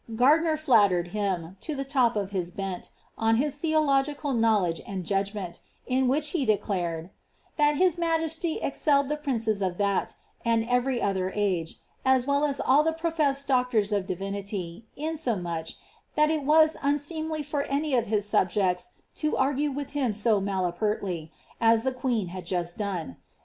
Gardiner flattered him, to the top of his bent, on his theological knowledge and judgment, in which he declared ^ that his majesty excelled the princes of that, and every other age, as well as all the professed doctors of divinity, inso much, that it was unseemly for any of his subjects to argue with him so malapertly, as the queen had just done.